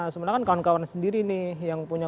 sebenarnya kan kawan kawan sendiri nih yang punya